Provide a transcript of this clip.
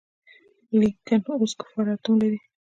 لکېن اوس کفار آټوم لري.